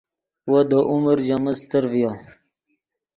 وو دے عمر ژے من استر ڤیو